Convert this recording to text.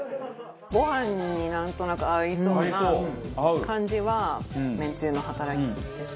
ご飯になんとなく合いそうな感じはめんつゆの働きですね。